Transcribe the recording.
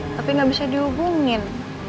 tapi gak bisa dihubungin